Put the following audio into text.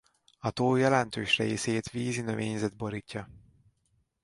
A tó jelentős részét vízi növényzet borítja.